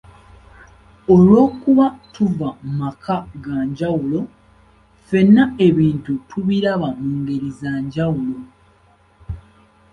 Olw'okuba tuva mu maka ga njawulo, ffenna ebintu tubiraba mu ngeri za njawulo.